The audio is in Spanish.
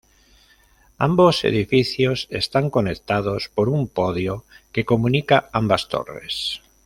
Ambos edificios están conectados por un podio que comunica ambas torres.